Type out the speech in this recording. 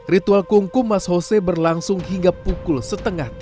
ritual kungku mas hose berlangsung hingga pukul setengah tiga pagi